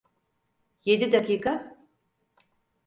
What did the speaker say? Yedi dakika?